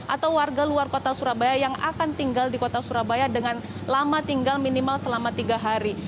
atau warga luar kota surabaya yang akan tinggal di kota surabaya dengan lama tinggal minimal selama tiga hari